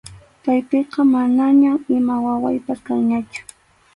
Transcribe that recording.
Paypiqa manañam ima wawaypas kanñachu.